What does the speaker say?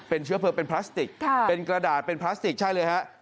เป็นเชื้อเพลิงเป็นพลาสติกเป็นกระดาษเป็นพลาสติกใช่เลยฮะ